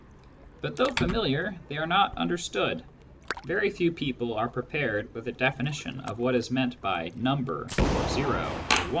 But though familiar, they are not understood. Very few people are prepared with a definition of what is meant by " number," or " o," or " 1."